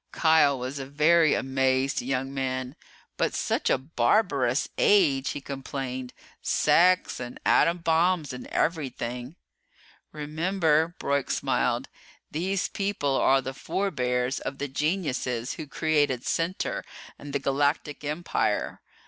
Kial was a very amazed young man. "But such a barbarous age," he complained. "Sex and atom bombs and everything ..." "Remember," Broyk smiled, "these people are the forebears of the geniuses who created Center and the Galactic Empire.